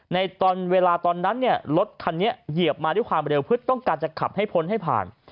ในตอนเวลาตอนนั้นเนี่ยรถคันนี้เหยียบมาด้วยความเร็วเพื่อต้องการจะขับให้พ้นให้ผ่าน